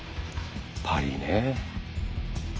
パリィね。